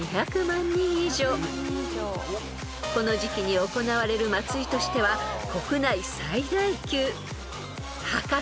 ［この時季に行われる祭りとしては国内最大級］